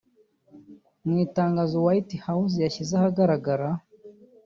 Mu Itangazo White House yashyize ahagaragara